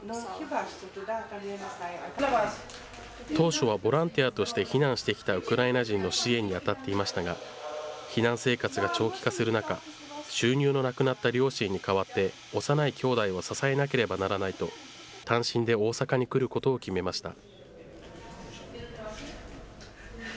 当初はボランティアとして避難してきたウクライナ人の支援に当たっていましたが、避難生活が長期化する中、収入のなくなった両親に代わって、幼いきょうだいを支えなければならないと、単身で大阪に来ることを決めました。